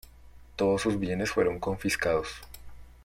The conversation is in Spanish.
Todos sus bienes fueron confiscados.